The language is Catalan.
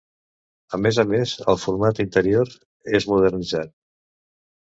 A més a més, el format interior es modernitza.